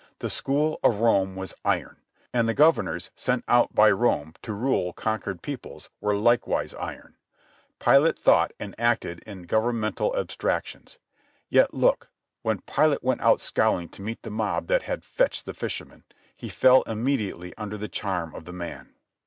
The school of Rome was iron, and the governors sent out by Rome to rule conquered peoples were likewise iron. Pilate thought and acted in governmental abstractions. Yet, look: when Pilate went out scowling to meet the mob that had fetched the fisherman, he fell immediately under the charm of the man.